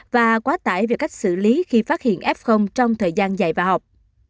và quá tải về cách xử lý khi phát hiện f trong thời gian dạy và học